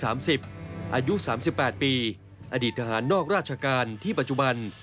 อายุ๓๘ปีอดีตทหารนอกราชการที่ปัจจุบัน